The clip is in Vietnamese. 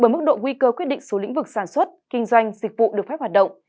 mức độ nguy cơ quyết định số lĩnh vực sản xuất kinh doanh dịch vụ được phép hoạt động